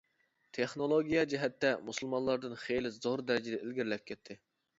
تېخنولوگىيە جەھەتتە مۇسۇلمانلاردىن خېلى زور دەرىجىدە ئىلگىرىلەپ كەتتى.